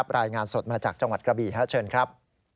รายงานสดมาจากจังหวัดกระบีเชิญครับ